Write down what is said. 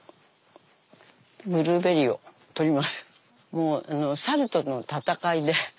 もう猿との戦いで。